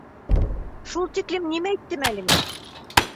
Шул тиклем нимә әйттем әле мин?